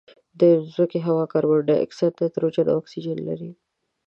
د مځکې هوا کاربن ډای اکسایډ، نایتروجن او اکسیجن لري.